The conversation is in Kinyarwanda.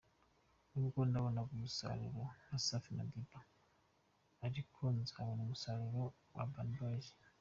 N’ubwo nabonaga umusaruro nka Safi Madiba ariko nzabone umusaruro wa Urban Boys.